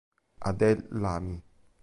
Adel Lami